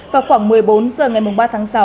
vào khoảng một mươi bốn h ngày ba tháng sáu